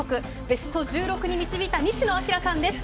ベスト１６に導いた西野朗さんです。